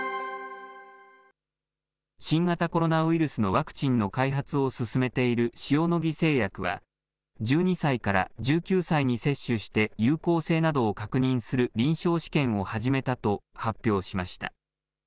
新型コロナウイルスのワクチンの開発を進めている塩野義製薬は、１２歳から１９歳に接種して有効性などを確認する臨床試験を始めたと発表しました。